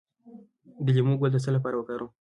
د لیمو ګل د څه لپاره وکاروم؟